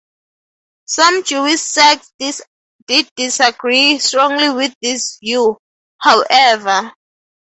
Some Jewish sects did disagree strongly with this view, however.